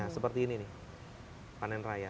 nah seperti ini nih panen raya